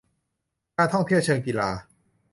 การท่องเที่ยวเชิงกีฬา